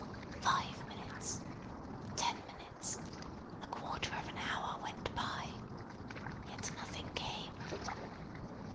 Five minutes, ten minutes, a quarter of an hour went by, yet nothing came.